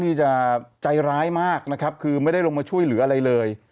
นี่จะใจร้ายมากนะครับคือไม่ได้ลงมาช่วยเหลืออะไรเลย